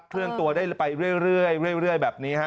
เลื่อนตัวได้ไปเรื่อยแบบนี้ฮะ